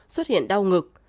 bốn xuất hiện đau ngực